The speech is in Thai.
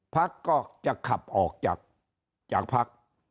พักก็จะขับออกจากพัก